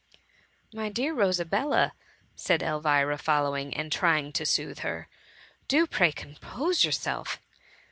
" My dear Rosabella,'' said Elvira following, and trying to soothe her, " do pray compose yourself.